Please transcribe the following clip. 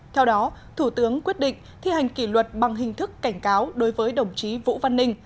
theo đó thủ tướng quyết định thi hành kỷ luật bằng hình thức cảnh cáo đối với đồng chí vũ văn ninh